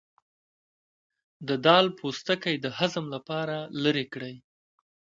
د دال پوستکی د هضم لپاره لرې کړئ